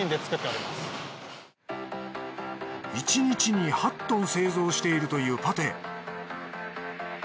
１日に８トン製造しているというパテ。